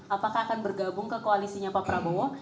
apakah akan bergabung ke koalisinya pak prabowo